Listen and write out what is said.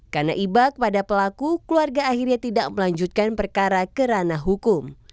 karena ibak pada pelaku keluarga akhirnya tidak melanjutkan perkara kerana hukum